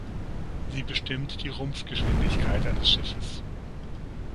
Sie bestimmt die Rumpfgeschwindigkeit eines Schiffes.